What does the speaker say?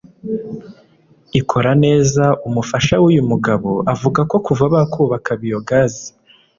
ikora neza. Umufasha w’uyu mugabo, avuga ko kuva bakubaka biyogazi